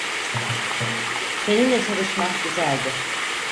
Seninle çalışmak güzeldi.